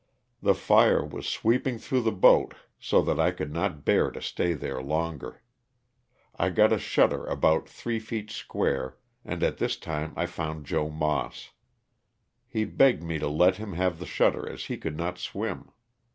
The fire was sweeping through the boat so that I could not bear to stay there longer. I got a shutter about three feet square, and at this time I found Joe Moss. He begged me to let him have the shutter as he could not swim.